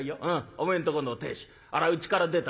お前んとこの亭主あれはうちから出た人間だ。